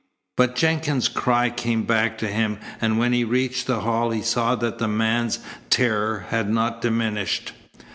But Jenkins's cry came back to him, and when he reached the hall he saw that the man's terror had not diminished.